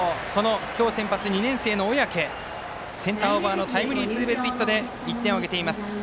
今日、先発２年生の小宅センターオーバーのタイムリーツーベースヒットで１点を挙げています。